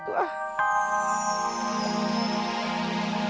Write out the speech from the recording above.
tapi kalau saya melakukan ini ini harus berhasil